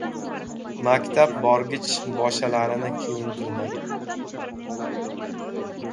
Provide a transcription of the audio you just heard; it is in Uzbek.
Maktab borgich boshalarini kiyintirdi.